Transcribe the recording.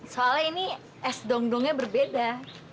soalnya ini es dong dongnya berbeda